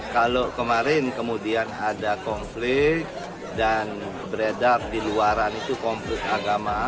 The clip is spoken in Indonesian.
kalau kemarin kemudian ada konflik dan beredar di luaran itu konflik agama